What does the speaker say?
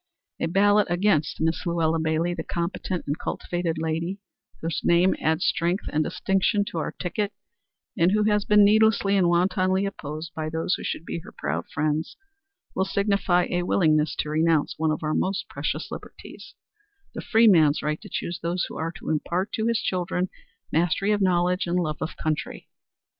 A ballot against Miss Luella Bailey, the competent and cultivated lady whose name adds strength and distinction to our ticket, and who has been needlessly and wantonly opposed by those who should be her proud friends, will signify a willingness to renounce one of our most precious liberties the free man's right to choose those who are to impart to his children mastery of knowledge and love of country.